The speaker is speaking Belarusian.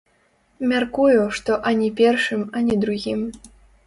Мяркую, што ані першым, ані другім.